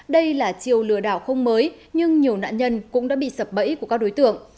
đây là chiêu lừa đảo không mới nhưng nhiều nạn nhân cũng đã bị sập bẫy của các đối tượng